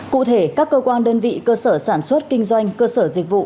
cụ thể các cơ quan đơn vị cơ sở sản xuất kinh doanh cơ sở dịch vụ